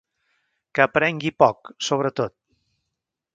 Que aprengui poc, sobretot...